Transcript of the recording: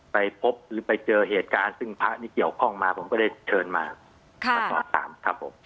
ไปพบหรือไปเจอเหตุการณ์ซึ่งพระนี่เกี่ยวข้องมาผมก็ได้เชิญมามาสอบถามครับผม